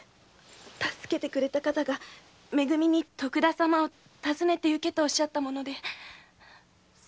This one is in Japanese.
助けてくれた方がめ組に徳田様を訪ねて行けとおっしゃったもので。